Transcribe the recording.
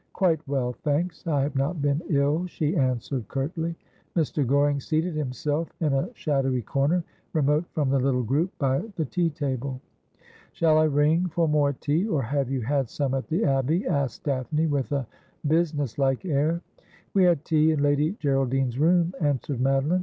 ' Quite well, thanks. I have not been ill,' she answered curtly. Mr. Goring seated himself in a shadowy corner, remote from the little group by the tea table. ' Shall I ring for more tea, or have you had some at the Abbey ?' asked Daphne, with a businesslike air. ' We had tea in Lady Geraldine's room,' answered Madoline.